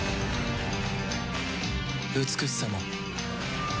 美しさも